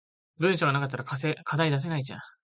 文章が無かったら課題出せないじゃん